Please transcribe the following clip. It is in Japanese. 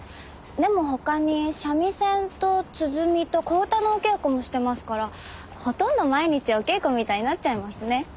でも他に三味線と鼓と小唄のお稽古もしてますからほとんど毎日お稽古みたいになっちゃいますね。